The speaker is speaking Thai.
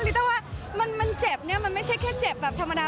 ต้องว่ามันเจ็บเนี่ยมันไม่ใช่แค่เจ็บแบบธรรมดา